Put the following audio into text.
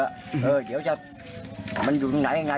เออเดี๋ยวจะมันอยู่ตรงไหนไง